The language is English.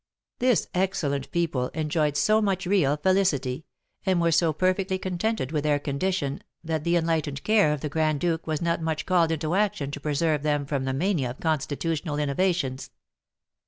This excellent people enjoyed so much real felicity, and were so perfectly contented with their condition, that the enlightened care of the Grand Duke was not much called into action to preserve them from the mania of constitutional innovations.